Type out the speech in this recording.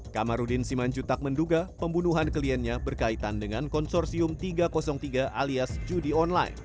kamarudin simanjutak menduga pembunuhan kliennya berkaitan dengan konsorsium tiga ratus tiga alias judi online